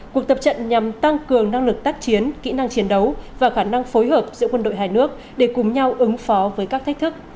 cuộc tập trận nhằm tăng cường năng lực tác chiến kỹ năng chiến đấu và khả năng phối hợp giữa quân đội hai nước để cùng nhau ứng phó với các thách thức